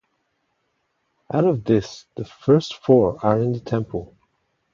Out of this the first four are in the temple.